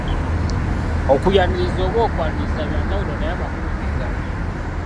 Okuyaniriza oba okwaniriza bya njawulo naye amakulu ge gamu.